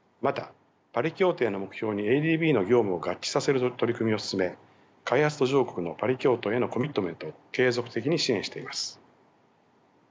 またパリ協定の目標にＡＤＢの業務を合致させる取り組みを進め開発途上国のパリ協定へのコミットメントを継続的に支援しています。